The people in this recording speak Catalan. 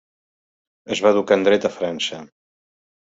Es va educar en Dret a França.